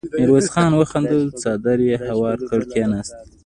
ميرويس خان وخندل، څادر يې هوار کړ، کېناست.